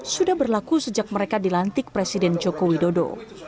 sudah berlaku sejak mereka dilantik presiden joko widodo